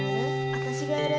わたしがやる！